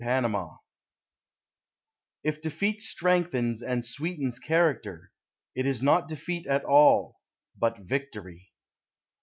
A HERO If defeat strengthens and sweetens character, it is not defeat at all, but victory.